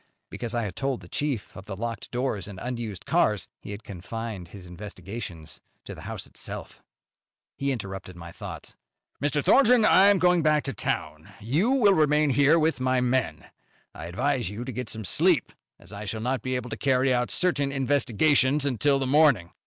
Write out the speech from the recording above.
Because I had told the chief of the locked doors and unused cars, he had confined his investigations to the house itself. He interrupted my thoughts. "Mr. Thornton, I am going back to town. You will remain here with my men. I advise you to get some sleep, as I shall not be able to carry out certain investigations until the morning.